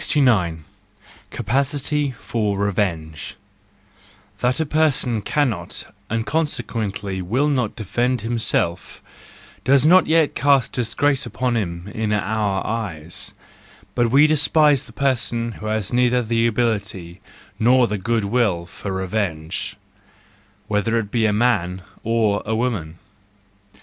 69. Capacity for Revenge .—That a person cannot and consequently will not defend himself, does not yet cast disgrace upon him in our eyes ; but THE JOYFUL WISDOM, II 103 we despise the person who has neither the ability nor the good will for revenge — whether it be a man or a woman.